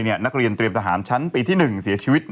นักเรียนเตรียมทหารชั้นปีที่๑เสียชีวิต